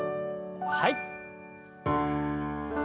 はい。